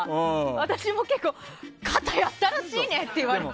私も結構肩やったらしいねって言われて。